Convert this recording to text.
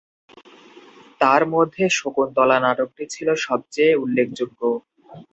তার মধ্যে শকুন্তলা নাটকটি ছিল সবচেয়ে উল্লেখযোগ্য।